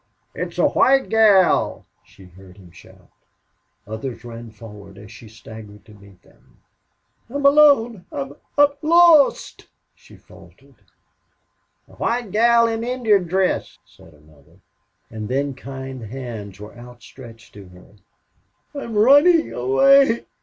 "It's a white gal!" she heard him shout. Others ran forward as she staggered to meet them. "I'm alone I'm lost!" she faltered. "A white gal in Injun dress," said another. And then kind hands were outstretched to her. "I'm running away...